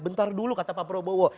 bentar dulu kata pak prabowo